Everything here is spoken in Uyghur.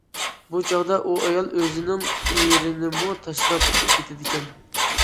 بۇ چاغدا ئۇ ئايال ئۆزىنىڭ ئېرىنىمۇ تاشلاپ كېتىدىكەن.